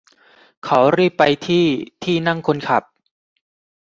เขารีบไปที่ที่นั่งคนขับ